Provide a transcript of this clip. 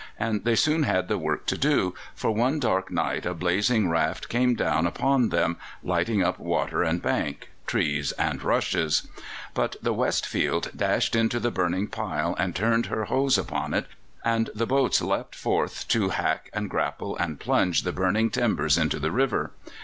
And they soon had the work to do, for one dark night a blazing raft came down upon them, lighting up water and bank, trees and rushes; but the Westfield dashed into the burning pile and turned her hose upon it; and the boats leapt forth to hack and grapple and plunge the burning timbers into the river.